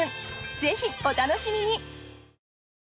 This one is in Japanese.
ぜひ、お楽しみに。